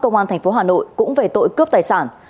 công an thành phố hà nội cũng về tội cướp tài sản